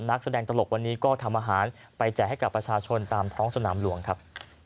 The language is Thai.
นักแสดงตลกวันนี้ก็ทำอาหารไปแจกให้กับประชาชนตามท้องสนามหลวงครับ